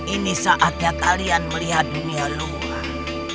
ini saatnya kalian melihat dunia luar